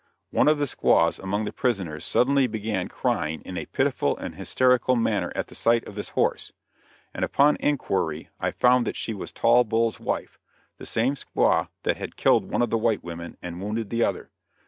One of the squaws among the prisoners suddenly began crying in a pitiful and hysterical manner at the sight of this horse, and upon inquiry I found that she was Tall Bull's wife, the same squaw that had killed one of the white women and wounded the other.